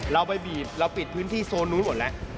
เราไปบีบเราปิดพื้นที่โซนนู้นหมดแล้ว